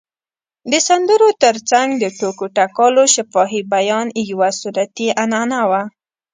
د سندرو تر څنګ د ټوکو ټکالو شفاهي بیان یوه سنتي عنعنه وه.